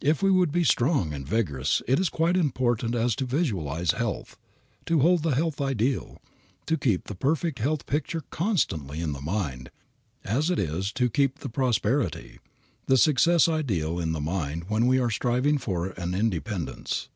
If we would be strong and vigorous it is quite as important to visualize health, to hold the health ideal, to keep the perfect health picture constantly in the mind, as it is to keep the prosperity, the success ideal in the mind when we are striving for an independence.